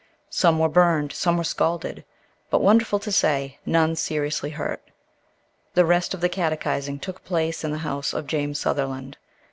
Some were burned, some were scalded, but, wonderful to say, none seriously hurt. The rest of the catechizing took place in the house of James Sutherland.